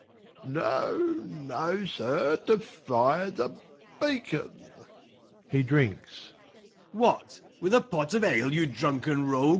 No, no, sir, to fire the beacon. \He drinks. Second C. What, with a pot of ale, you drunken rogues